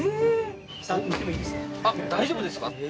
大丈夫ですか？